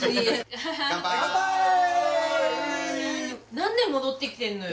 なんで戻ってきてんのよ？